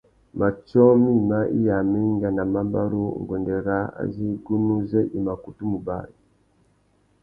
Matiō mïma iya a mà enga nà mabarú nguêndê râā azê igunú zê i mà kutu mù bari.